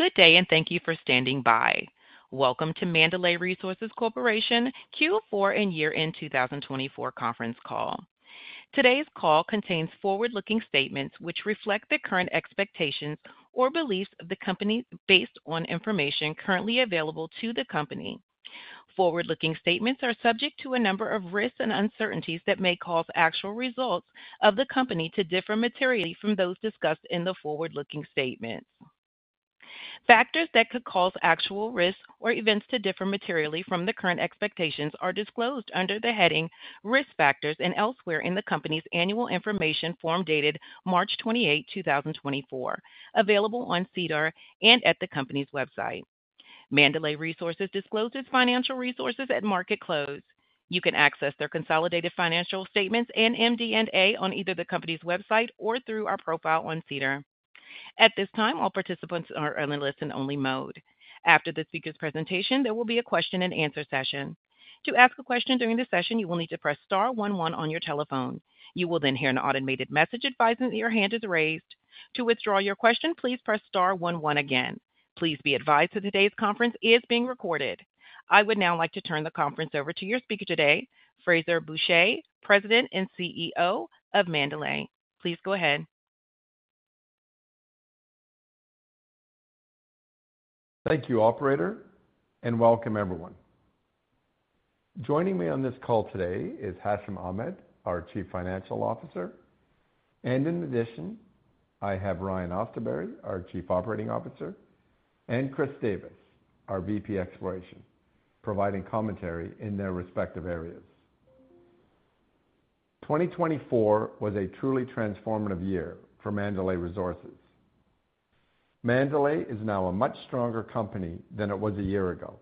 Good day, and thank you for standing by. Welcome to Mandalay Resources Corporation Q4 and year-end 2024 conference call. Today's call contains forward-looking statements which reflect the current expectations or beliefs of the company based on information currently available to the company. Forward-looking statements are subject to a number of risks and uncertainties that may cause actual results of the company to differ materially from those discussed in the forward-looking statements. Factors that could cause actual risks or events to differ materially from the current expectations are disclosed under the heading "Risk Factors" and elsewhere in the company's annual information form dated March 28, 2024, available on SEDAR+ and at the company's website. Mandalay Resources discloses financial results at market close. You can access their consolidated financial statements and MD&A on either the company's website or through our profile on SEDAR+. At this time, all participants are on a listen-only mode. After the speaker's presentation, there will be a question-and-answer session. To ask a question during the session, you will need to press star one one on your telephone. You will then hear an automated message advising that your hand is raised. To withdraw your question, please press star one one again. Please be advised that today's conference is being recorded. I would now like to turn the conference over to your speaker today, Frazer Bourchier, President and CEO of Mandalay. Please go ahead. Thank you, Operator, and welcome everyone. Joining me on this call today is Hashim Ahmed, our Chief Financial Officer, and in addition, I have Ryan Austerberry, our Chief Operating Officer, and Chris Davis, our VP Exploration, providing commentary in their respective areas. 2024 was a truly transformative year for Mandalay Resources. Mandalay is now a much stronger company than it was a year ago,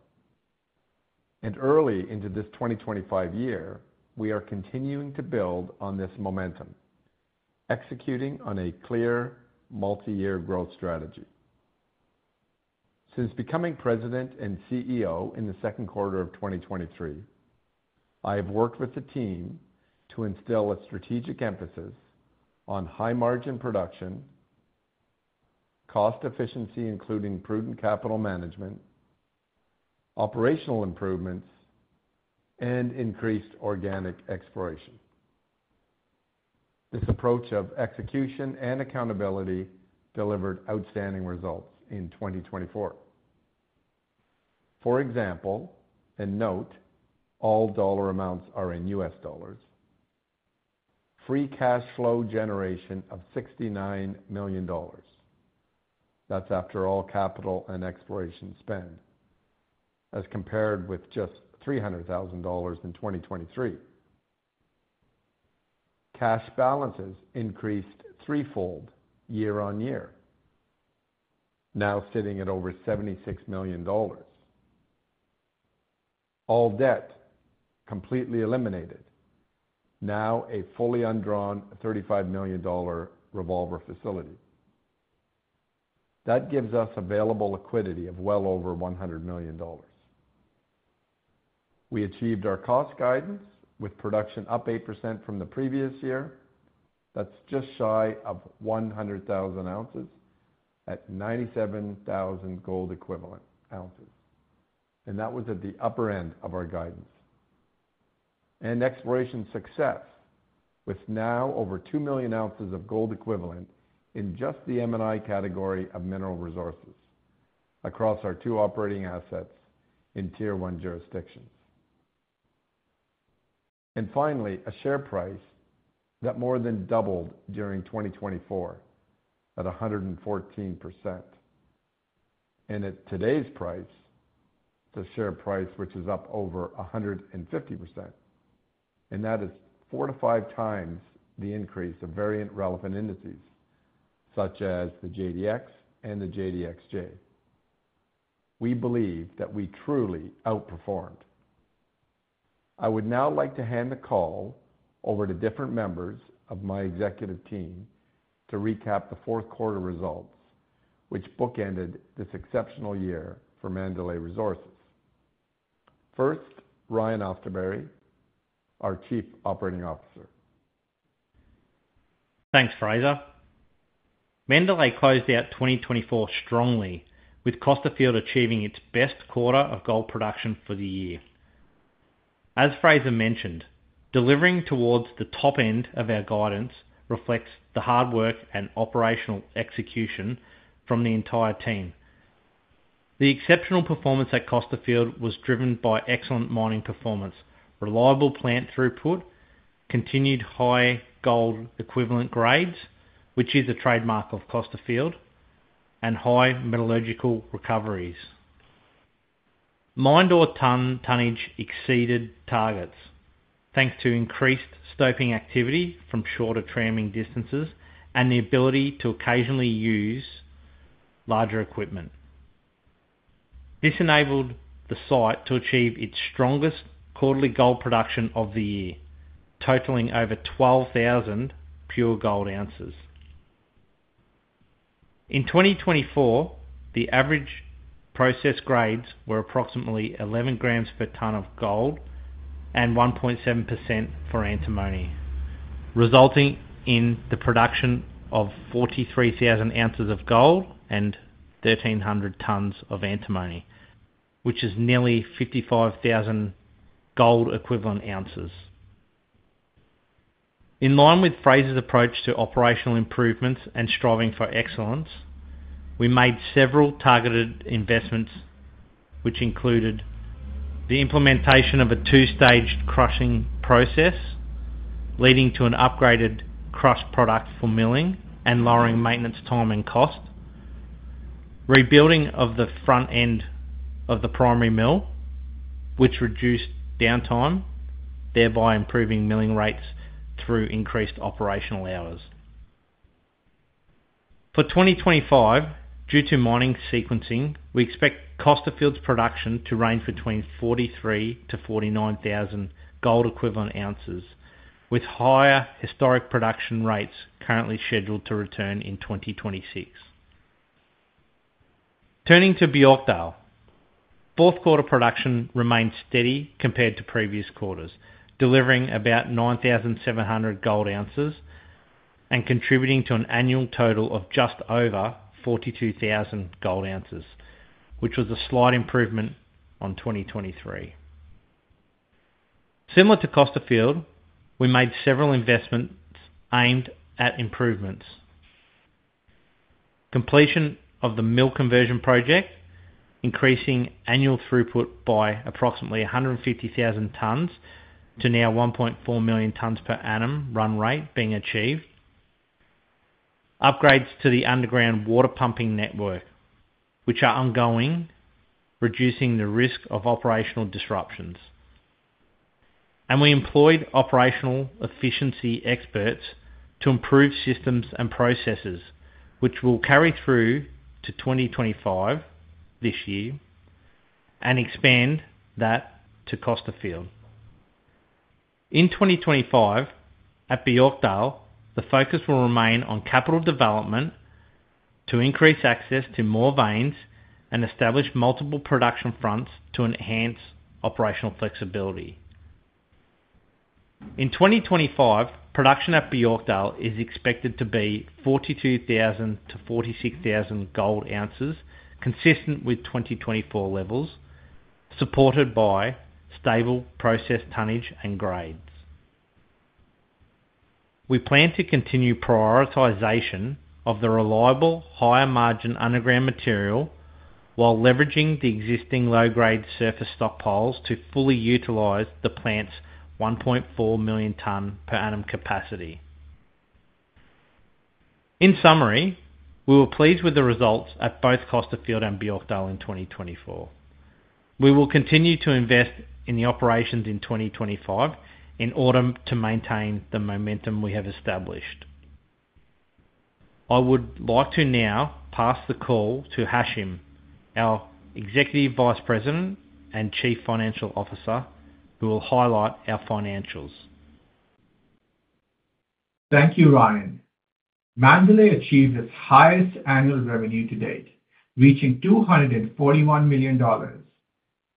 and early into this 2025 year, we are continuing to build on this momentum, executing on a clear multi-year growth strategy. Since becoming President and CEO in the second quarter of 2023, I have worked with the team to instill a strategic emphasis on high-margin production, cost efficiency, including prudent capital management, operational improvements, and increased organic exploration. This approach of execution and accountability delivered outstanding results in 2024. For example, and note, all dollar amounts are in U.S. dollars. Free Cash Flow generation of $69 million. That's after all capital and exploration spend, as compared with just $300,000 in 2023. Cash balances increased threefold year-on-year, now sitting at over $76 million. All debt completely eliminated, now a fully undrawn $35 million revolver facility. That gives us available liquidity of well over $100 million. We achieved our cost guidance with production up 8% from the previous year. That's just shy of 100,000 ounces at 97,000 gold equivalent ounces, and that was at the upper end of our guidance. And exploration success with now over 2 million ounces of gold equivalent in just the M&I category of mineral resources across our two operating assets in tier one jurisdictions. And finally, a share price that more than doubled during 2024 at 114%. At today's price, the share price which is up over 150%, and that is four to five times the increase of various relevant indices such as the GDX and the GDXJ. We believe that we truly outperformed. I would now like to hand the call over to different members of my executive team to recap the fourth quarter results, which bookended this exceptional year for Mandalay Resources. First, Ryan Austerberry, our Chief Operating Officer. Thanks, Frazer. Mandalay closed out 2024 strongly, with Costerfield achieving its best quarter of gold production for the year. As Frazer mentioned, delivering towards the top end of our guidance reflects the hard work and operational execution from the entire team. The exceptional performance at Costerfield was driven by excellent mining performance, reliable plant throughput, continued high gold equivalent grades, which is a trademark of Costerfield, and high metallurgical recoveries. Mined ore tonnage exceeded targets thanks to increased stoping activity from shorter tramming distances and the ability to occasionally use larger equipment. This enabled the site to achieve its strongest quarterly gold production of the year, totaling over 12,000 pure gold ounces. In 2024, the average process grades were approximately 11 grams per ton of gold and 1.7% for antimony, resulting in the production of 43,000 ounces of gold and 1,300 tons of antimony, which is nearly 55,000 gold equivalent ounces. In line with Frazer's approach to operational improvements and striving for excellence, we made several targeted investments, which included the implementation of a two-stage crushing process, leading to an upgraded crush product for milling and lowering maintenance time and cost, rebuilding of the front end of the primary mill, which reduced downtime, thereby improving milling rates through increased operational hours. For 2025, due to mining sequencing, we expect Costerfield's production to range between 43,000 to 49,000 gold equivalent ounces, with higher historic production rates currently scheduled to return in 2026. Turning to Björkdal, fourth quarter production remained steady compared to previous quarters, delivering about 9,700 gold ounces and contributing to an annual total of just over 42,000 gold ounces, which was a slight improvement on 2023. Similar to Costerfield, we made several investments aimed at improvements: completion of the mill conversion project, increasing annual throughput by approximately 150,000 tons to now 1.4 million tons per annum run rate being achieved, upgrades to the underground water pumping network, which are ongoing, reducing the risk of operational disruptions, and we employed operational efficiency experts to improve systems and processes, which will carry through to 2025 this year and expand that to Costerfield. In 2025, at Björkdal, the focus will remain on capital development to increase access to more veins and establish multiple production fronts to enhance operational flexibility. In 2025, production at Björkdal is expected to be 42,000 gold ounces-46,000 gold ounces, consistent with 2024 levels, supported by stable process tonnage and grades. We plan to continue prioritization of the reliable higher-margin underground material while leveraging the existing low-grade surface stockpiles to fully utilize the plant's 1.4 million ton per annum capacity. In summary, we were pleased with the results at both Costerfield and Björkdal in 2024. We will continue to invest in the operations in 2025 in order to maintain the momentum we have established. I would like to now pass the call to Hashim, our Executive Vice President and Chief Financial Officer, who will highlight our financials. Thank you, Ryan. Mandalay achieved its highest annual revenue to date, reaching $241 million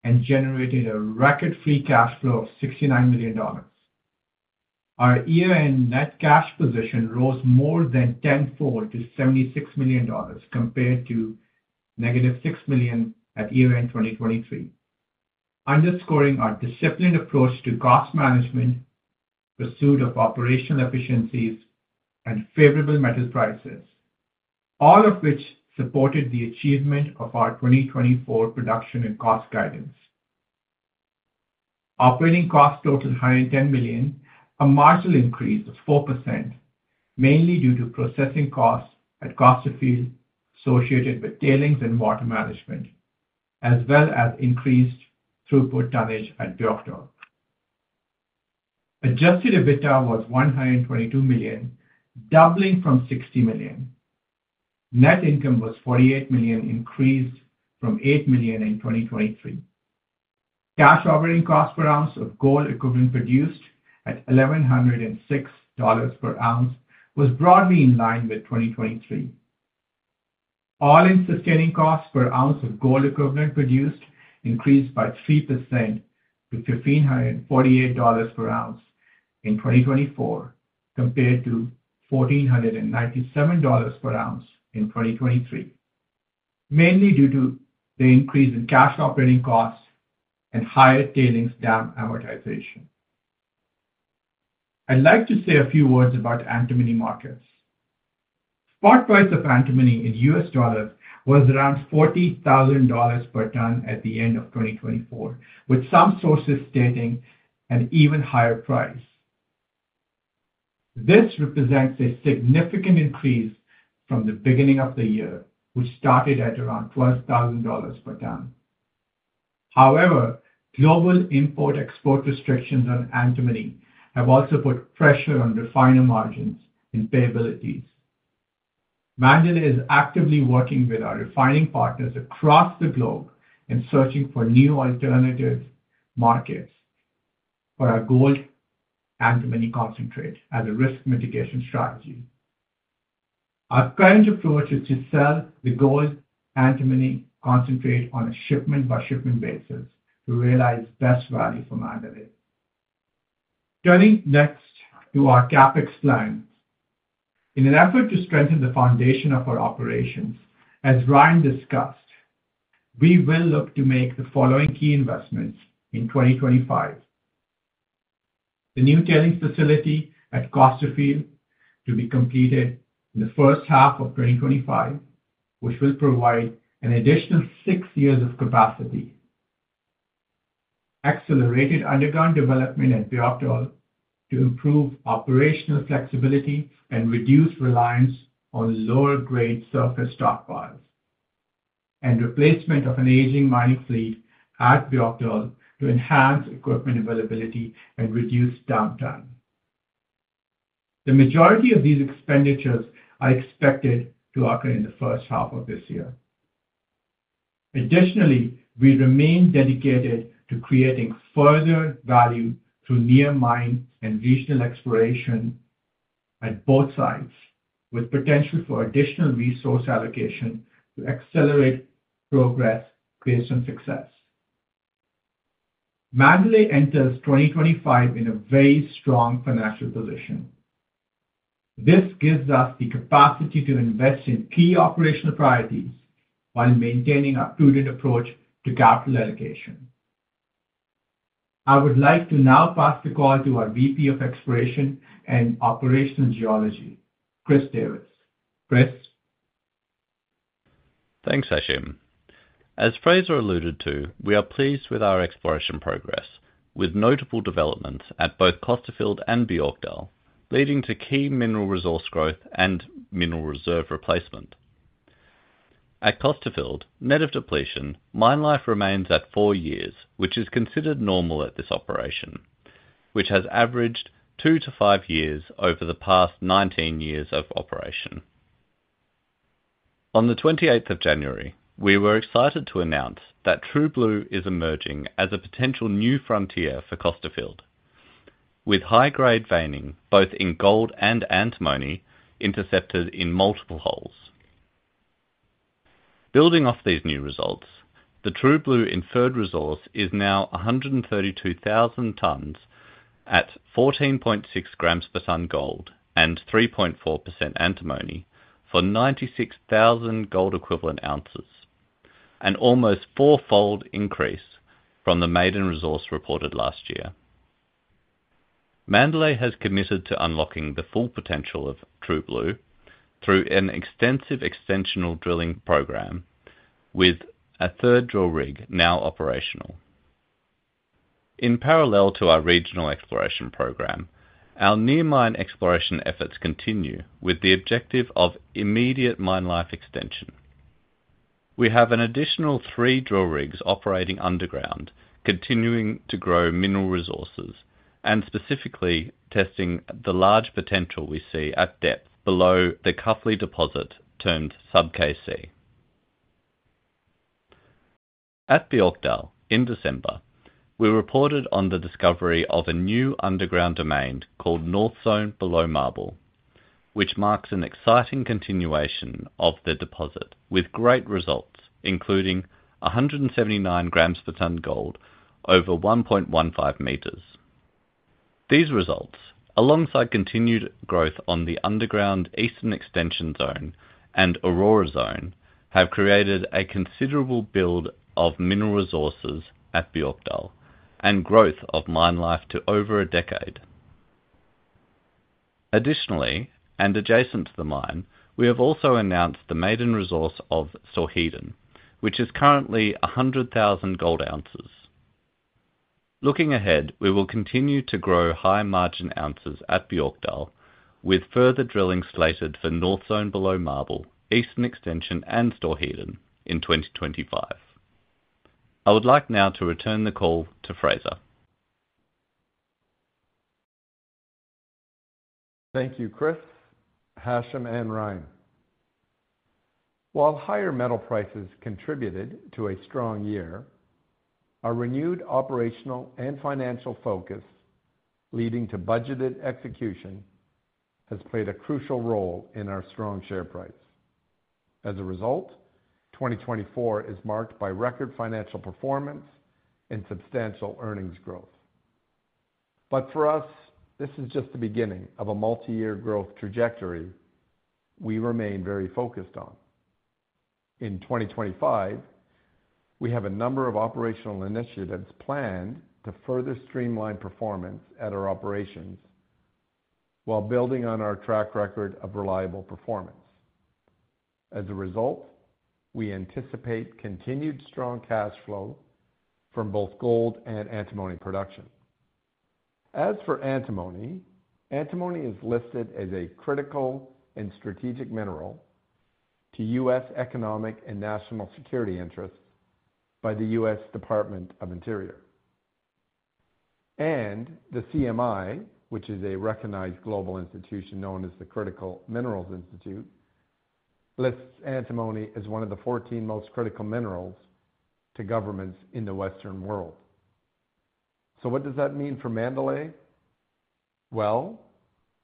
and generated a record Free Cash Flow of $69 million. Our year-end net cash position rose more than tenfold to $76 million compared to negative $6 million at year-end 2023, underscoring our disciplined approach to cost management, pursuit of operational efficiencies, and favorable metal prices, all of which supported the achievement of our 2024 production and cost guidance. Operating costs totaled $110 million, a marginal increase of 4%, mainly due to processing costs at Costerfield associated with tailings and water management, as well as increased throughput tonnage at Björkdal. Adjusted EBITDA was $122 million, doubling from $60 million. Net income was $48 million, increased from $8 million in 2023. Cash operating cost per ounce of gold equivalent produced at $1,106 per ounce was broadly in line with 2023. All-in sustaining costs per ounce of gold equivalent produced increased by 3% to $1,548 per ounce in 2024 compared to $1,497 per ounce in 2023, mainly due to the increase in cash operating costs and higher tailings dam amortization. I'd like to say a few words about antimony markets. Spot price of antimony in U.S. dollars was around $40,000 per ton at the end of 2024, with some sources stating an even higher price. This represents a significant increase from the beginning of the year, which started at around $12,000 per ton. However, global import-export restrictions on antimony have also put pressure on refiner margins and payabilities. Mandalay is actively working with our refining partners across the globe and searching for new alternative markets for our gold antimony concentrate as a risk mitigation strategy. Our current approach is to sell the gold antimony concentrate on a shipment-by-shipment basis to realize best value for Mandalay. Turning next to our CapEx plans, in an effort to strengthen the foundation of our operations, as Ryan discussed, we will look to make the following key investments in 2025: the new tailings facility at Costerfield to be completed in the first half of 2025, which will provide an additional six years of capacity, accelerated underground development at Björkdal to improve operational flexibility and reduce reliance on lower-grade surface stockpiles, and replacement of an aging mining fleet at Björkdal to enhance equipment availability and reduce downtime. The majority of these expenditures are expected to occur in the first half of this year. Additionally, we remain dedicated to creating further value through near mine and regional exploration at both sites, with potential for additional resource allocation to accelerate progress based on success. Mandalay enters 2025 in a very strong financial position. This gives us the capacity to invest in key operational priorities while maintaining a prudent approach to capital allocation. I would like to now pass the call to our VP of Exploration and Operational Geology, Chris Davis. Chris. Thanks, Hashim. As Frazer alluded to, we are pleased with our exploration progress, with notable developments at both Costerfield and Björkdal, leading to key mineral resource growth and mineral reserve replacement. At Costerfield, net of depletion, mine life remains at four years, which is considered normal at this operation, which has averaged two to five years over the past 19 years of operation. On the 28th of January, we were excited to announce that True Blue is emerging as a potential new frontier for Costerfield, with high-grade veining both in gold and antimony intercepted in multiple holes. Building off these new results, the True Blue inferred resource is now 132,000 tons at 14.6 grams per ton gold and 3.4% antimony for 96,000 gold equivalent ounces, an almost four-fold increase from the maiden resource reported last year. Mandalay has committed to unlocking the full potential of True Blue through an extensive extensional drilling program, with a third drill rig now operational. In parallel to our regional exploration program, our near-mine exploration efforts continue with the objective of immediate mine life extension. We have an additional three drill rigs operating underground, continuing to grow mineral resources and specifically testing the large potential we see at depth below the Cuffley deposit termed Sub KC. At Björkdal, in December, we reported on the discovery of a new underground domain called North Zone Below Marble, which marks an exciting continuation of the deposit, with great results, including 179 grams per ton gold over 1.15 meters. These results, alongside continued growth on the underground Eastern Extension zone and Aurora zone, have created a considerable build of mineral resources at Björkdal and growth of mine life to over a decade. Additionally, and adjacent to the mine, we have also announced the maiden resource of Storheden, which is currently 100,000 gold ounces. Looking ahead, we will continue to grow high-margin ounces at Björkdal, with further drilling slated for North Zone Below Marble, Eastern Extension, and Storheden in 2025. I would like now to return the call to Frazer. Thank you, Chris, Hashim, and Ryan. While higher metal prices contributed to a strong year, our renewed operational and financial focus, leading to budgeted execution, has played a crucial role in our strong share price. As a result, 2024 is marked by record financial performance and substantial earnings growth. But for us, this is just the beginning of a multi-year growth trajectory we remain very focused on. In 2025, we have a number of operational initiatives planned to further streamline performance at our operations while building on our track record of reliable performance. As a result, we anticipate continued strong cash flow from both gold and antimony production. As for antimony, antimony is listed as a critical and strategic mineral to U.S. economic and national security interests by the U.S. Department of the Interior. And the CMI, which is a recognized global institution known as the Critical Minerals Institute, lists antimony as one of the 14 most critical minerals to governments in the Western world. So what does that mean for Mandalay? Well,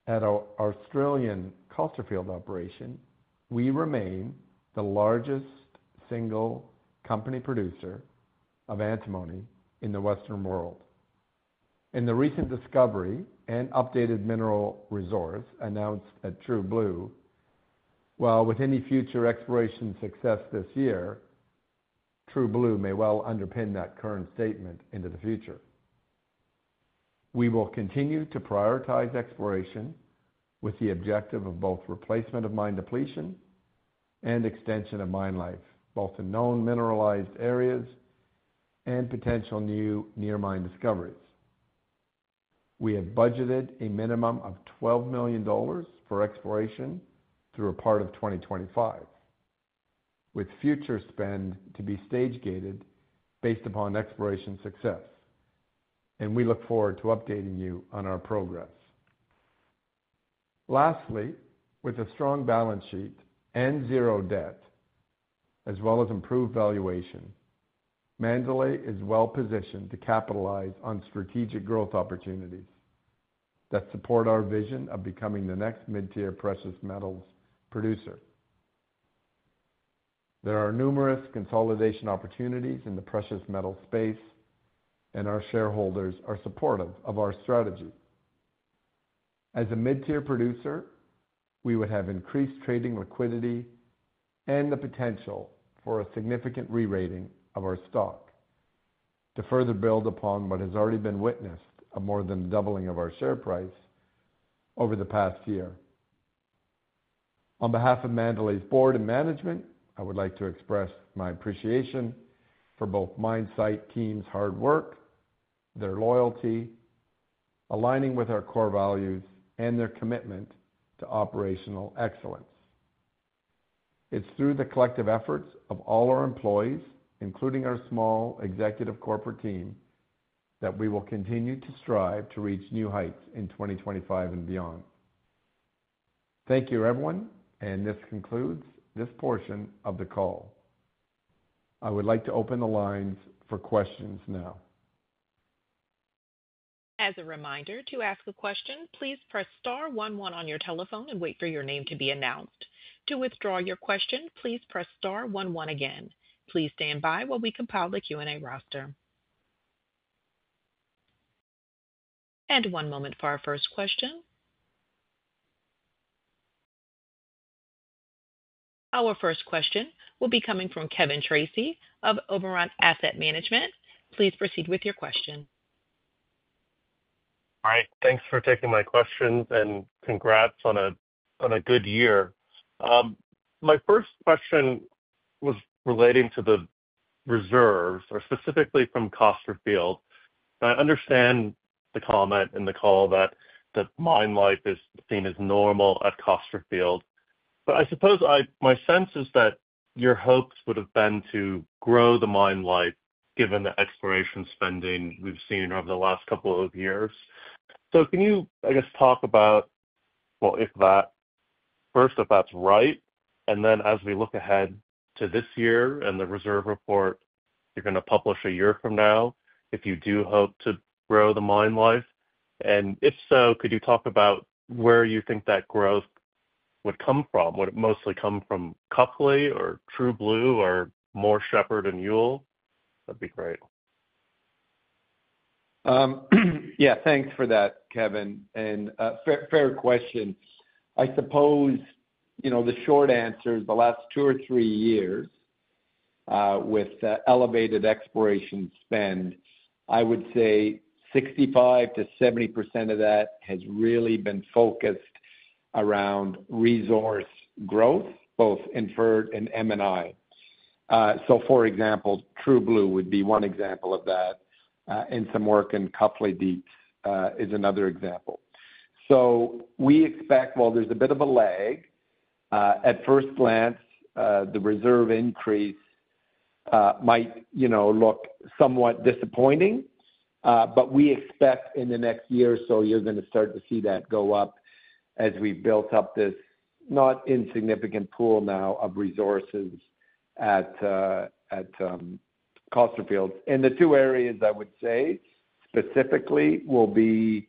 at our Australian Costerfield operation, we remain the largest single company producer of antimony in the Western world. In the recent discovery and updated mineral resource announced at True Blue, while with any future exploration success this year, True Blue may well underpin that current statement into the future. We will continue to prioritize exploration with the objective of both replacement of mine depletion and extension of mine life, both in known mineralized areas and potential new near-mine discoveries. We have budgeted a minimum of $12 million for exploration through a part of 2025, with future spend to be stage-gated based upon exploration success. And we look forward to updating you on our progress. Lastly, with a strong balance sheet and zero debt, as well as improved valuation, Mandalay is well positioned to capitalize on strategic growth opportunities that support our vision of becoming the next mid-tier precious metals producer. There are numerous consolidation opportunities in the precious metals space, and our shareholders are supportive of our strategy. As a mid-tier producer, we would have increased trading liquidity and the potential for a significant re-rating of our stock to further build upon what has already been witnessed of more than the doubling of our share price over the past year. On behalf of Mandalay's board and management, I would like to express my appreciation for both mine site team's hard work, their loyalty, aligning with our core values, and their commitment to operational excellence. It's through the collective efforts of all our employees, including our small executive corporate team, that we will continue to strive to reach new heights in 2025 and beyond. Thank you, everyone, and this concludes this portion of the call. I would like to open the lines for questions now. As a reminder, to ask a question, please press star one one on your telephone and wait for your name to be announced. To withdraw your question, please press star one one again. Please stand by while we compile the Q&A roster. And one moment for our first question. Our first question will be coming from Kevin Tracey of Oberon Asset Management. Please proceed with your question. Hi. Thanks for taking my questions and congrats on a good year. My first question was relating to the reserves, or specifically from Costerfield. I understand the comment in the call that mine life is seen as normal at Costerfield. But I suppose my sense is that your hopes would have been to grow the mine life given the exploration spending we've seen over the last couple of years. So can you, I guess, talk about, well, if that first, if that's right, and then as we look ahead to this year and the reserve report you're going to publish a year from now, if you do hope to grow the mine life? And if so, could you talk about where you think that growth would come from? Would it mostly come from Cuffley or True Blue or more Shepherd and Youle? That'd be great. Yeah. Thanks for that, Kevin, and fair question. I suppose the short answer is the last two or three years with elevated exploration spend, I would say 65%-70% of that has really been focused around resource growth, both inferred and M&I, so, for example, True Blue would be one example of that, and some work in Cuffley Deeps is another example, so we expect, while there's a bit of a lag, at first glance, the reserve increase might look somewhat disappointing, but we expect in the next year or so you're going to start to see that go up as we've built up this not insignificant pool now of resources at Costerfield, and the two areas I would say specifically will be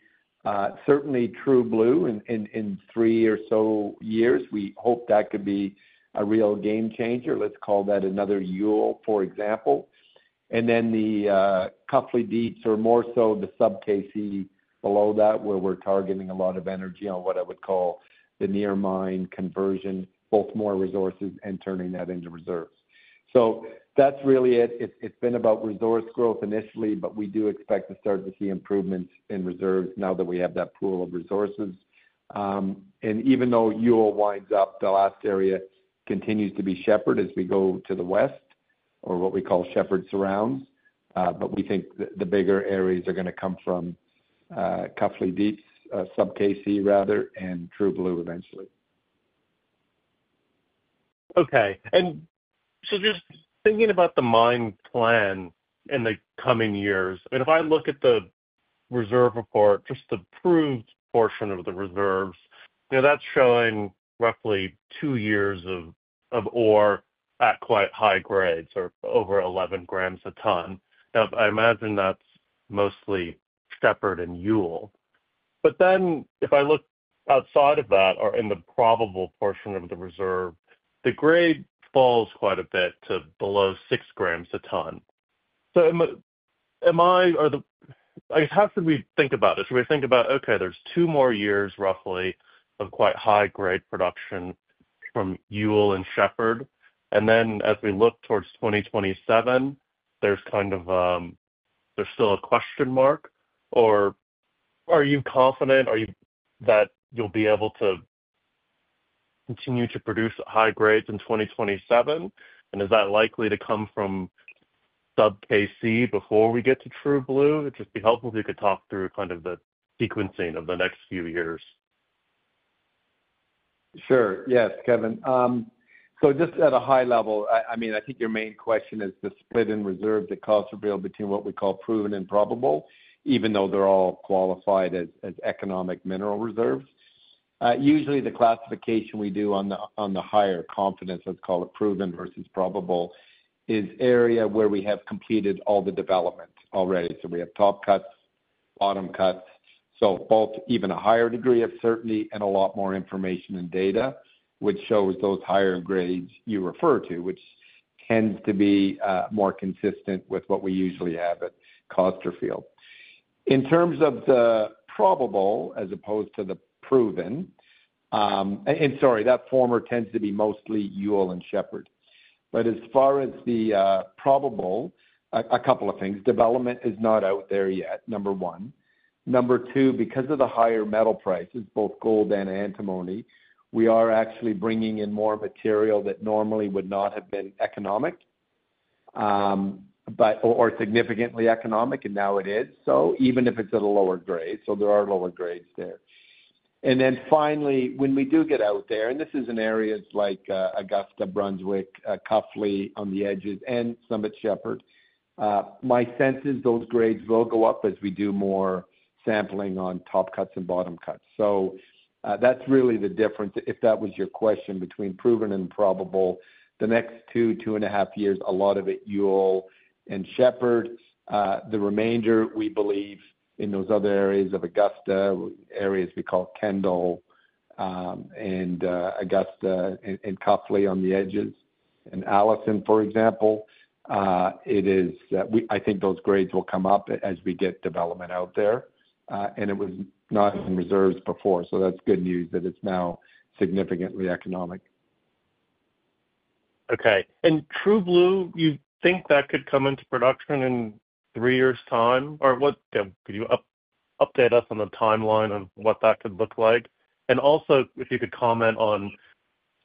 certainly True Blue in three or so years. We hope that could be a real game changer. Let's call that another Youle, for example. And then the Cuffley Deeps are more so the Sub KC below that where we're targeting a lot of energy on what I would call the near-mine conversion, both more resources and turning that into reserves. So that's really it. It's been about resource growth initially, but we do expect to start to see improvements in reserves now that we have that pool of resources. And even though Youle winds up, the last area continues to be Shepherd as we go to the west, or what we call Shepherd surrounds. But we think the bigger areas are going to come from Cuffley Deeps, Sub KC rather, and True Blue eventually. Okay. And so just thinking about the mine plan in the coming years, if I look at the reserve report, just the proved portion of the reserves, that's showing roughly two years of ore at quite high grades or over 11 grams a ton. Now, I imagine that's mostly Shepherd and Youle. But then if I look outside of that or in the probable portion of the reserve, the grade falls quite a bit to below 6 grams a ton. So am I or I guess how should we think about it? Should we think about, okay, there's two more years roughly of quite high-grade production from Youle and Shepherd. And then as we look towards 2027, there's kind of still a question mark. Or are you confident that you'll be able to continue to produce high grades in 2027? Is that likely to come from Sub KC before we get to True Blue? It'd just be helpful if you could talk through kind of the sequencing of the next few years. Sure. Yes, Kevin. So just at a high level, I mean, I think your main question is the split in reserves at Costerfield between what we call proven and probable, even though they're all qualified as economic mineral reserves. Usually, the classification we do on the higher confidence, let's call it proven versus probable, is area where we have completed all the development already. So we have top cuts, bottom cuts. So both even a higher degree of certainty and a lot more information and data would show those higher grades you refer to, which tends to be more consistent with what we usually have at Costerfield. In terms of the probable as opposed to the proven, and sorry, the former tends to be mostly Youle and Shepherd. But as far as the probable, a couple of things. Development is not out there yet, number one. Number two, because of the higher metal prices, both gold and antimony, we are actually bringing in more material that normally would not have been economic or significantly economic, and now it is so, even if it's at a lower grade. So there are lower grades there. And then finally, when we do get out there, and this is in areas like Augusta, Brunswick, Cuffley on the edges, and some at Shepherd, my sense is those grades will go up as we do more sampling on top cuts and bottom cuts. So that's really the difference. If that was your question between proven and probable, the next two, two and a half years, a lot of it Youle and Shepherd. The remainder, we believe, in those other areas of Augusta, areas we call Kendall and Augusta and Cuffley on the edges, and Allison, for example. It is, I think, those grades will come up as we get development out there. And it was not in reserves before. So that's good news that it's now significantly economic. Okay, and True Blue, you think that could come into production in three years' time? Or what can you update us on the timeline of what that could look like? And also, if you could comment on,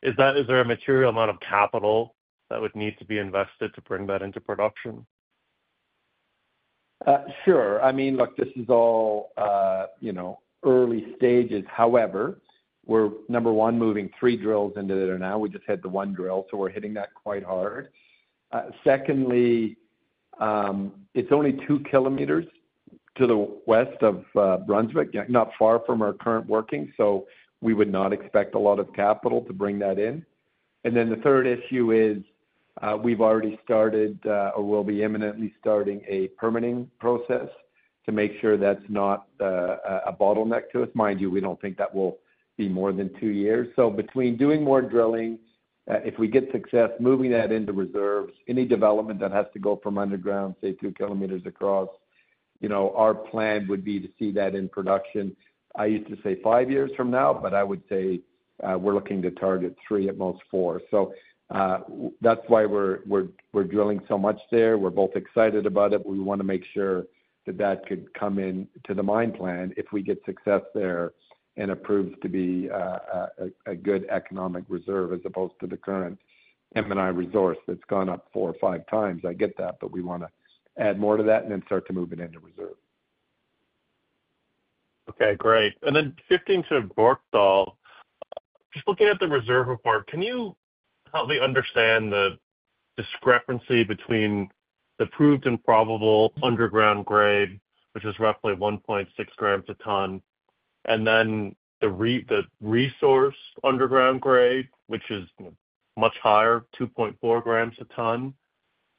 is there a material amount of capital that would need to be invested to bring that into production? Sure. I mean, look, this is all early stages. However, we're, number one, moving three drills into there now. We just had the one drill, so we're hitting that quite hard. Secondly, it's only 2 km to the west of Brunswick, not far from our current working. So we would not expect a lot of capital to bring that in. And then the third issue is we've already started or will be imminently starting a permitting process to make sure that's not a bottleneck to us. Mind you, we don't think that will be more than two years. So between doing more drilling, if we get success moving that into reserves, any development that has to go from underground, say, 2 km across, our plan would be to see that in production. I used to say five years from now, but I would say we're looking to target three, at most four. So that's why we're drilling so much there. We're both excited about it. We want to make sure that that could come into the mine plan if we get success there and it proves to be a good economic reserve as opposed to the current M&I resource that's gone up four or five times. I get that, but we want to add more to that and then start to move it into reserve. Okay. Great. And then shifting to Björkdal, just looking at the reserve report, can you help me understand the discrepancy between the proven and probable underground grade, which is roughly 1.6 grams a ton, and then the resource underground grade, which is much higher, 2.4 grams a ton?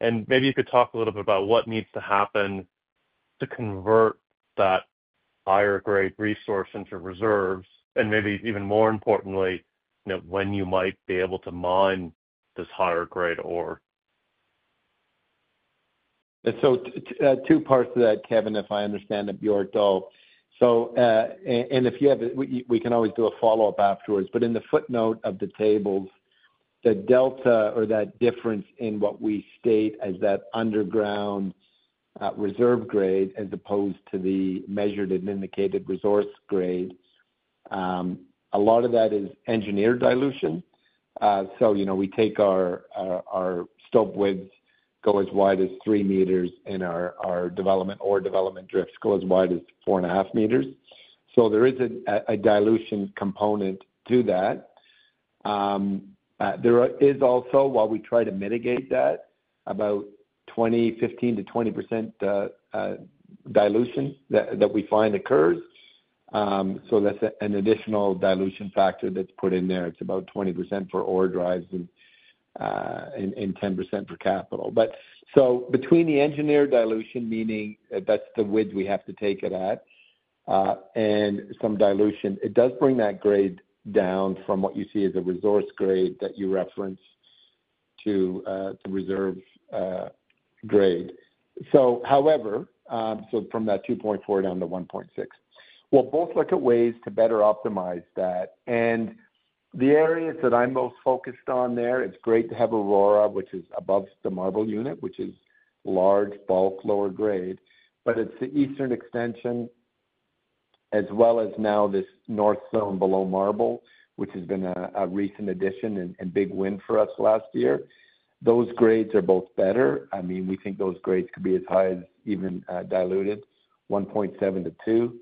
And maybe you could talk a little bit about what needs to happen to convert that higher-grade resource into reserves, and maybe even more importantly, when you might be able to mine this higher-grade ore. And so two parts to that, Kevin, if I understand it, Björkdal. And if you have it, we can always do a follow-up afterwards. But in the footnote of the tables, the delta or that difference in what we state as that underground reserve grade as opposed to the measured and indicated resource grade, a lot of that is engineered dilution. So we take our stope widths, go as wide as three meters, and our development ore development drifts go as wide as four and a half meters. So there is a dilution component to that. There is also, while we try to mitigate that, about 15%-20% dilution that we find occurs. So that's an additional dilution factor that's put in there. It's about 20% for ore drives and 10% for capital. But so, between the engineered dilution, meaning that's the width we have to take it at, and some dilution, it does bring that grade down from what you see as a resource grade that you reference to reserve grade. So however, so from that 2.4 down to 1.6. We'll both look at ways to better optimize that. And the areas that I'm most focused on there, it's great to have Aurora, which is above the marble unit, which is large, bulk, lower grade. But it's the Eastern Extension as well as now this North Zone Below Marble, which has been a recent addition and big win for us last year. Those grades are both better. I mean, we think those grades could be as high as even diluted, 1.7 to 2,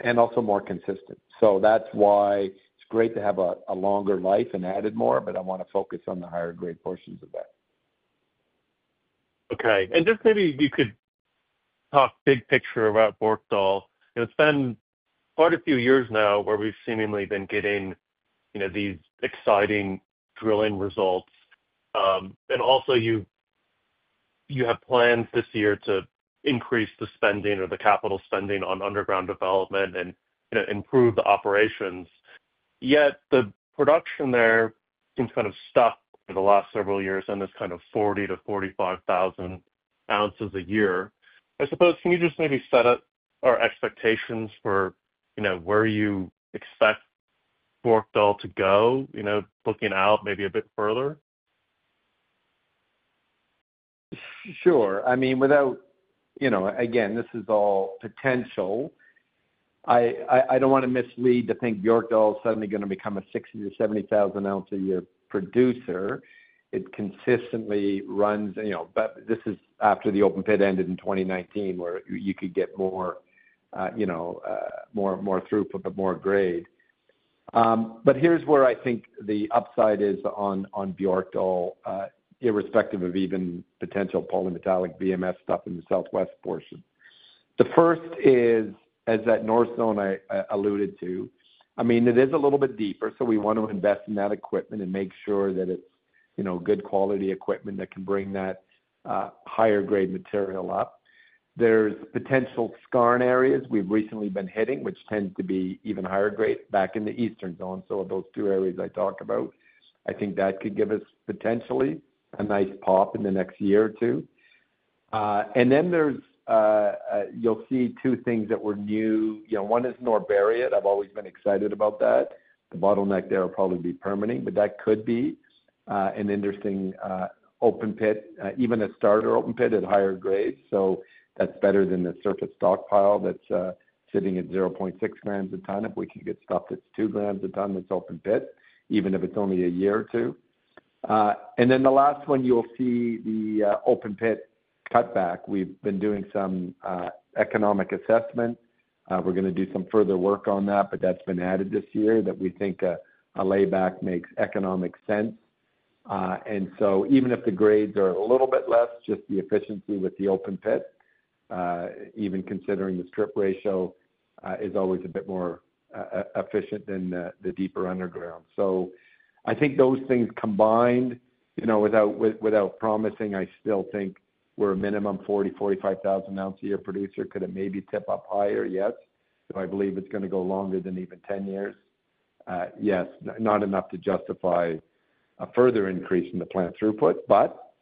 and also more consistent. That's why it's great to have a longer life and added more, but I want to focus on the higher-grade portions of that. Okay. And just maybe you could talk big picture about Björkdal. It's been quite a few years now where we've seemingly been getting these exciting drilling results. And also, you have plans this year to increase the spending or the capital spending on underground development and improve the operations. Yet the production there seems kind of stuck for the last several years on this kind of 40 thousand ounces-45 thousand ounces a year. I suppose, can you just maybe set up our expectations for where you expect Björkdal to go, looking out maybe a bit further? Sure. I mean, without again, this is all potential. I don't want to mislead to think Björkdal is suddenly going to become a 60 thousand ounces-70 thousand ounce a year producer. It consistently runs. But this is after the open pit ended in 2019 where you could get more throughput, but more grade. But here's where I think the upside is on Björkdal, irrespective of even potential polymetallic VMS stuff in the southwest portion. The first is, as that North Zone I alluded to, I mean, it is a little bit deeper, so we want to invest in that equipment and make sure that it's good quality equipment that can bring that higher-grade material up. There's potential scarred areas we've recently been hitting, which tend to be even higher grade back in the Eastern Zone. So of those two areas I talked about, I think that could give us potentially a nice pop in the next year or two. And then you'll see two things that were new. One is Norrberget. I've always been excited about that. The bottleneck there will probably be permitting, but that could be an interesting open pit, even a starter open pit at higher grade. So that's better than the surface stockpile that's sitting at 0.6 grams a ton. If we can get stuff that's 2 grams a ton that's open pit, even if it's only a year or two. And then the last one, you'll see the open pit cutback. We've been doing some economic assessment. We're going to do some further work on that, but that's been added this year that we think a layback makes economic sense. And so even if the grades are a little bit less, just the efficiency with the open pit, even considering the strip ratio, is always a bit more efficient than the deeper underground. So I think those things combined, without promising, I still think we're a minimum 40 thousand ounces-45 thousand ounce a year producer. Could it maybe tip up higher? Yes. Do I believe it's going to go longer than even 10 years? Yes. Not enough to justify a further increase in the plant throughput, but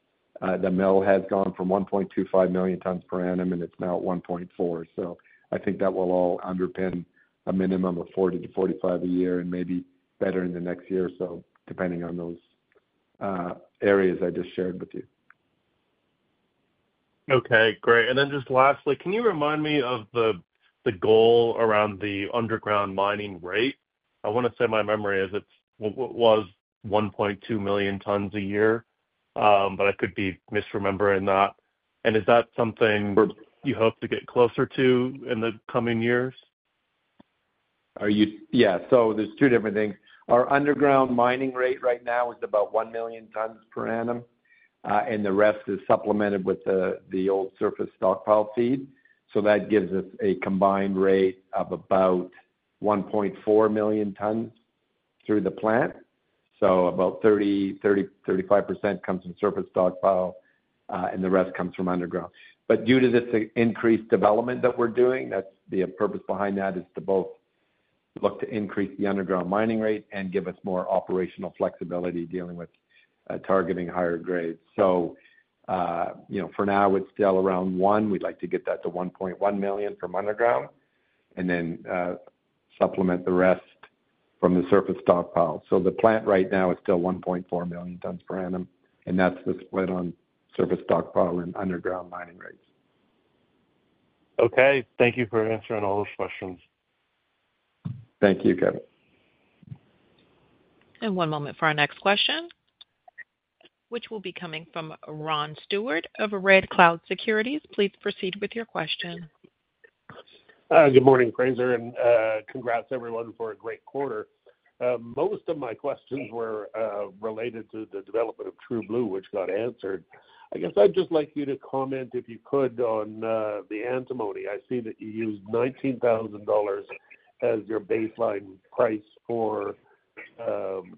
the mill has gone from 1.25 million tons per annum, and it's now 1.4. So I think that will all underpin a minimum of 40-45 a year and maybe better in the next year or so, depending on those areas I just shared with you. Okay. Great. And then just lastly, can you remind me of the goal around the underground mining rate? I want to say my memory is it was 1.2 million tons a year, but I could be misremembering that. And is that something you hope to get closer to in the coming years? Yeah. So there's two different things. Our underground mining rate right now is about 1 million tons per annum, and the rest is supplemented with the old surface stockpile feed. So that gives us a combined rate of about 1.4 million tons through the plant. So about 30, 35% comes from surface stockpile, and the rest comes from underground. But due to this increased development that we're doing, that's the purpose behind that is to both look to increase the underground mining rate and give us more operational flexibility dealing with targeting higher grades. So for now, it's still around 1. We'd like to get that to 1.1 million from underground and then supplement the rest from the surface stockpile. So the plant right now is still 1.4 million tons per annum, and that's the split on surface stockpile and underground mining rates. Okay. Thank you for answering all those questions. Thank you, Kevin. One moment for our next question, which will be coming from Ron Stewart of Red Cloud Securities. Please proceed with your question. Good morning, Frazer. And congrats everyone for a great quarter. Most of my questions were related to the development of True Blue, which got answered. I guess I'd just like you to comment, if you could, on the antimony. I see that you used $19,000 as your baseline price for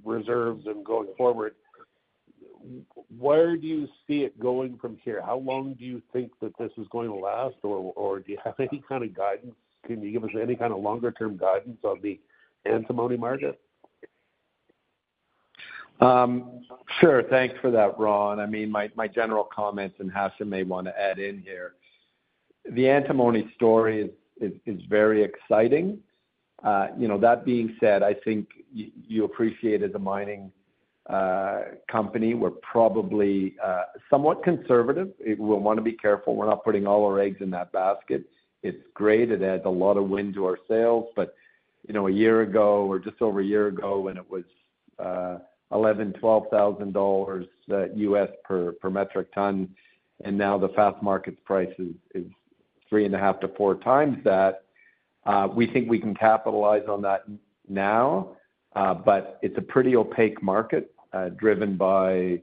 reserves and going forward. Where do you see it going from here? How long do you think that this is going to last, or do you have any kind of guidance? Can you give us any kind of longer-term guidance on the antimony market? Sure. Thanks for that, Ron. I mean, my general comments, and Hashim may want to add in here. The antimony story is very exciting. That being said, I think you appreciate as a mining company, we're probably somewhat conservative. We want to be careful. We're not putting all our eggs in that basket. It's great. It adds a lot of wind to our sails. But a year ago, or just over a year ago, when it was $11,000, $12,000 U.S. per metric ton, and now the spot market's price is three and a half to four times that, we think we can capitalize on that now. But it's a pretty opaque market driven by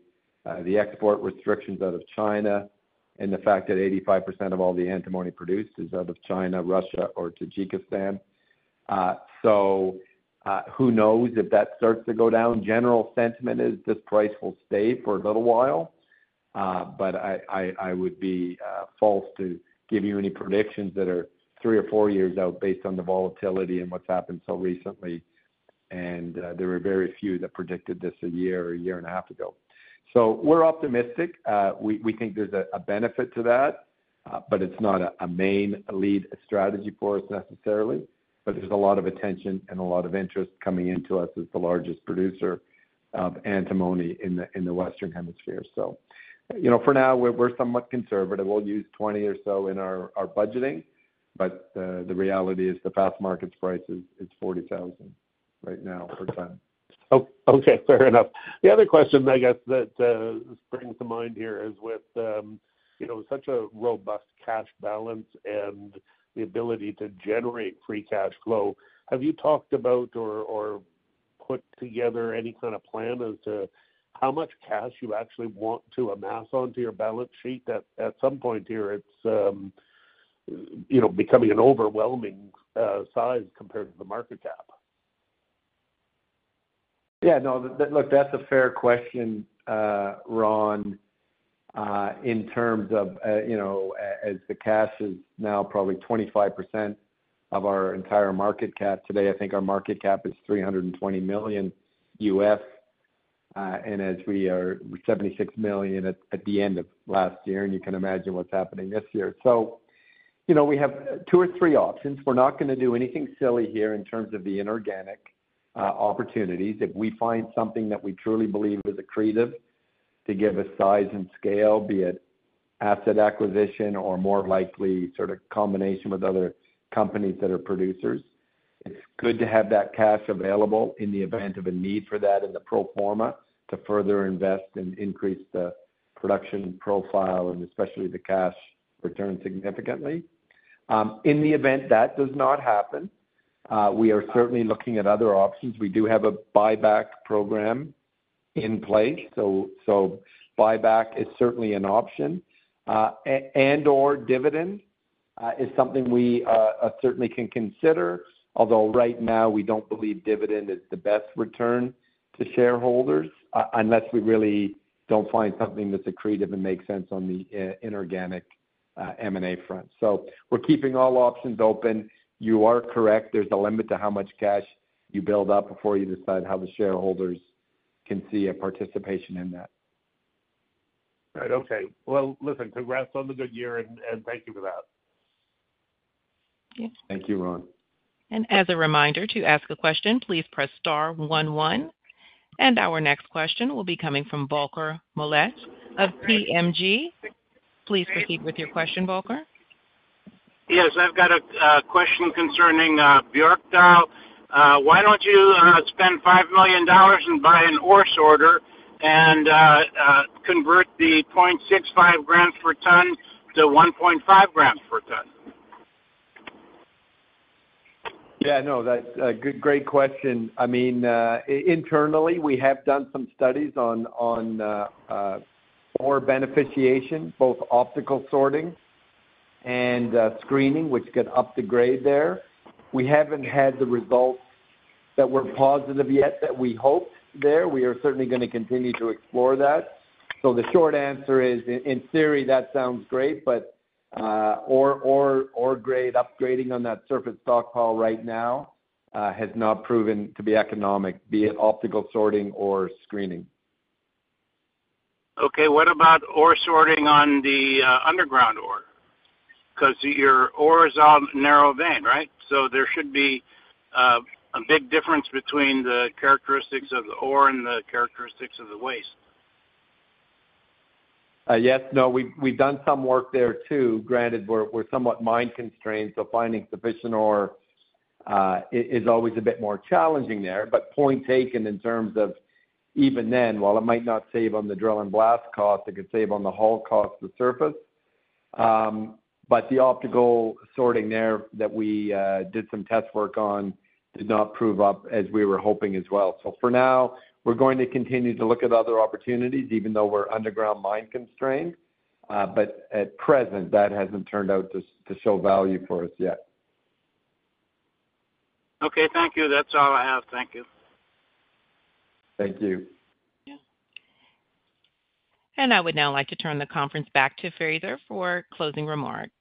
the export restrictions out of China and the fact that 85% of all the antimony produced is out of China, Russia, or Tajikistan. So who knows if that starts to go down? General sentiment is this price will stay for a little while. But I would be false to give you any predictions that are three or four years out based on the volatility and what's happened so recently. And there were very few that predicted this a year or a year and a half ago. So we're optimistic. We think there's a benefit to that, but it's not a main lead strategy for us necessarily. But there's a lot of attention and a lot of interest coming into us as the largest producer of antimony in the western hemisphere. So for now, we're somewhat conservative. We'll use $20,000 or so in our budgeting. But the reality is the spot market's price is $40,000 right now per ton. Okay. Fair enough. The other question, I guess, that just springs to mind here is with such a robust cash balance and the ability to generate Free Cash Flow, have you talked about or put together any kind of plan as to how much cash you actually want to amass onto your balance sheet? At some point here, it's becoming an overwhelming size compared to the market cap. Yeah. No, look, that's a fair question, Ron, in terms of as the cash is now probably 25% of our entire market cap today. I think our market cap is $320 million, and as we are $76 million at the end of last year, and you can imagine what's happening this year, so we have two or three options. We're not going to do anything silly here in terms of the inorganic opportunities. If we find something that we truly believe is accretive to give us size and scale, be it asset acquisition or more likely sort of combination with other companies that are producers, it's good to have that cash available in the event of a need for that in the pro forma to further invest and increase the production profile, and especially the cash return significantly. In the event that does not happen, we are certainly looking at other options. We do have a buyback program in place. So buyback is certainly an option. And/or dividend is something we certainly can consider, although right now we don't believe dividend is the best return to shareholders unless we really don't find something that's accretive and makes sense on the inorganic M&A front. So we're keeping all options open. You are correct. There's a limit to how much cash you build up before you decide how the shareholders can see a participation in that. All right. Okay. Listen, congrats on the good year, and thank you for that. Thank you, Ron. As a reminder, to ask a question, please press star 11. Our next question will be coming from Volker Moeller of VMG. Please proceed with your question, Volker. Yes. I've got a question concerning Björkdal. Why don't you spend $5 million and buy an ore sorter and convert the 0.65 grams per ton to 1.5 grams per ton? Yeah. No, that's a great question. I mean, internally, we have done some studies on ore beneficiation, both optical sorting and screening, which get up the grade there. We haven't had the results that were positive yet that we hoped there. We are certainly going to continue to explore that. So the short answer is, in theory, that sounds great, but ore grade upgrading on that surface stockpile right now has not proven to be economic, be it optical sorting or screening. Okay. What about optical sorting on the underground ore? Because your ore is all narrow vein, right? So there should be a big difference between the characteristics of the ore and the characteristics of the waste. Yes. No, we've done some work there too. Granted, we're somewhat mine constrained, so finding sufficient ore is always a bit more challenging there. But point taken in terms of even then, while it might not save on the drill and blast cost, it could save on the haul cost of the surface. But the optical sorting there that we did some test work on did not prove up as we were hoping as well. So for now, we're going to continue to look at other opportunities even though we're underground mine constrained. But at present, that hasn't turned out to show value for us yet. Okay. Thank you. That's all I have. Thank you. Thank you. Yeah, and I would now like to turn the conference back to Fraser for closing remarks.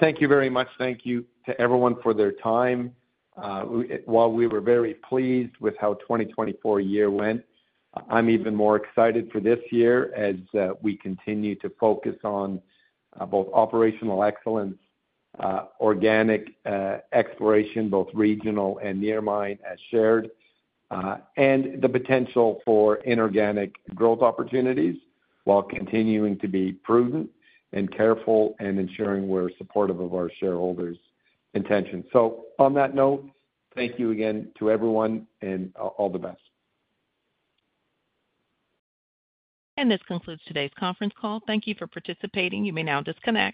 Thank you very much. Thank you to everyone for their time. While we were very pleased with how 2024 year went, I'm even more excited for this year as we continue to focus on both operational excellence, organic exploration, both regional and near mine as shared, and the potential for inorganic growth opportunities while continuing to be prudent and careful and ensuring we're supportive of our shareholders' intentions. So on that note, thank you again to everyone and all the best. This concludes today's conference call. Thank you for participating. You may now disconnect.